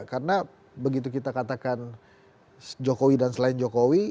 karena begitu kita katakan jokowi dan selain jokowi